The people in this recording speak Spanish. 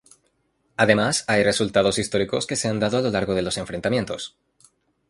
Además, hay resultados históricos que se han dado a lo largo de los enfrentamientos.